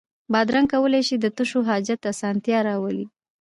بادرنګ کولای شي د تشو حاجت اسانتیا راولي.